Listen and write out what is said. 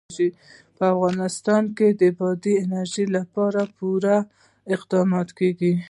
په افغانستان کې د بادي انرژي لپاره پوره اقدامات کېږي.